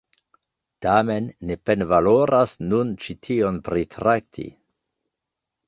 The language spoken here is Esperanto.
Tamen, ne penvaloras nun ĉi tion pritrakti.